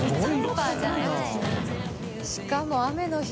しかも雨の日。